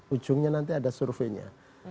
ujungnya nanti ada surveinya